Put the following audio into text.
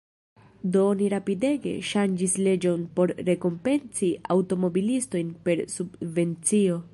Do oni rapidege ŝanĝis leĝon por rekompenci aŭtomobilistojn per subvencio.